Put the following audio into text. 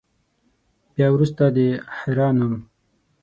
بیا وروسته د حرا نوم.